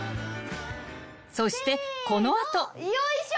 ［そしてこの後］よいしょ！